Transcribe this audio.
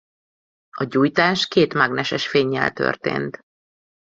A gyújtás két mágneses fénnyel történt.